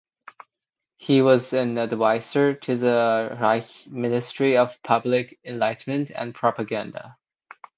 He was an advisor to the Reich Ministry of Public Enlightenment and Propaganda.